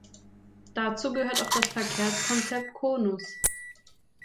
Dazu gehört auch das Verkehrskonzept Konus.